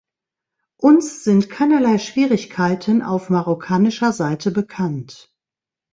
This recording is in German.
Uns sind keinerlei Schwierigkeiten auf marokkanischer Seite bekannt.